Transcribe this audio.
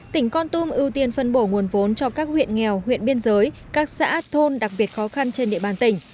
tỉnh con tum ưu tiên phân bổ nguồn vốn cho các huyện nghèo huyện biên giới các xã thôn đặc biệt khó khăn trên địa bàn tỉnh